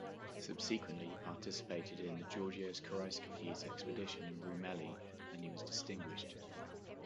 Subsequently he participated in the Georgios Karaiskakis' expedition in Roumeli and he was distinguished.